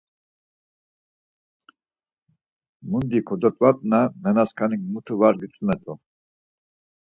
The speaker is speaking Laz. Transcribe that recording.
Mundi kododvatna nanaskanik mutu var gitzumet̆u.